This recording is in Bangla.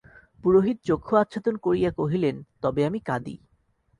পুরোহিত চক্ষু আচ্ছাদন করিয়া কহিলেন, তবে আমি কাঁদি।